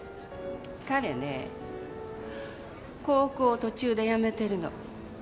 彼ね高校を途中で辞めてるの。